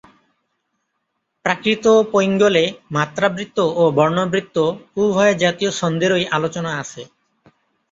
প্রাকৃতপৈঙ্গলে মাত্রাবৃত্ত ও বর্ণবৃত্ত উভয় জাতীয় ছন্দেরই আলোচনা আছে।